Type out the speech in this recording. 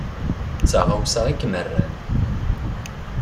D taɣawsa i kem-rran.